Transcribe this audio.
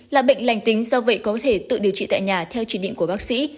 là bệnh lành tính do vậy có thể tự điều trị tại nhà theo chỉ định của bác sĩ